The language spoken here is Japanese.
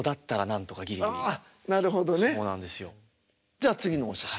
じゃあ次のお写真。